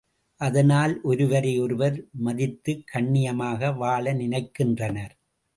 அதனால் ஒருவரை ஒருவர் மதித்துக் கண்ணியமாக வாழ் நினைக்கின்றனர்.